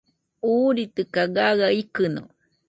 Uuritɨkaɨ gaɨa ikɨno